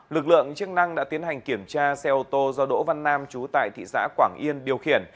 lực lượng chức năng đã tiến hành kiểm tra xe ô tô do đỗ văn nam chú tại thị xã quảng yên điều khiển